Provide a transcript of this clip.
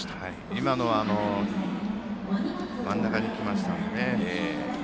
今のは真ん中に来ましたのでね。